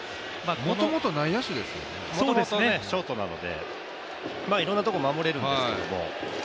もともとショートなのでいろんなところ守れるんですけれども。